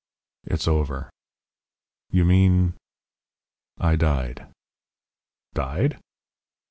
"It's over." "You mean?" "I died." "Died?"